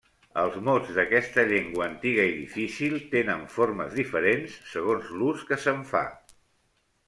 Els mots d'aquesta llengua, antiga i difícil, tenen formes diferents segons l'ús que se'n fa.